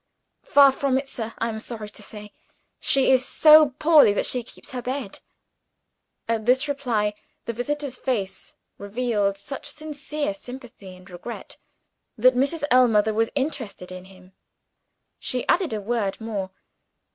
"Far from it, sir, I am sorry to say. She is so poorly that she keeps her bed." At this reply, the visitor's face revealed such sincere sympathy and regret, that Mrs. Ellmother was interested in him: she added a word more.